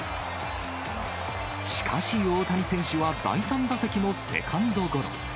しかし、大谷選手は第３打席もセカンドゴロ。